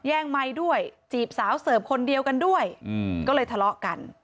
ไมค์ด้วยจีบสาวเสิร์ฟคนเดียวกันด้วยก็เลยทะเลาะกัน